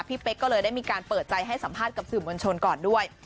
เป๊กก็เลยได้มีการเปิดใจให้สัมภาษณ์กับสื่อมวลชนก่อนด้วย